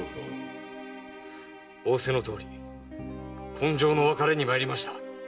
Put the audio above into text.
仰せのとおり今生の別れに参りました。